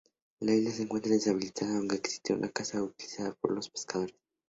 La isla se encuentra deshabitada, aunque existe una casa utilizada por los pescadores.